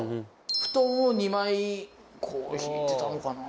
布団を２枚こう敷いてたのかな。